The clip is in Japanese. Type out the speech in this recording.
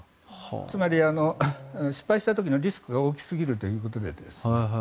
つまり、失敗した時のリスクが大きすぎるということでですね。